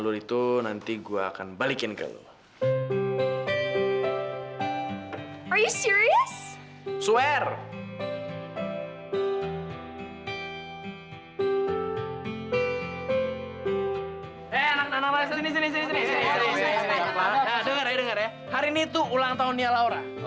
ya ya nanti aku kasih tau ya